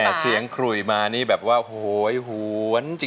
แต่เสียงขลุยมานี่แบบว่าโหยหวนจริง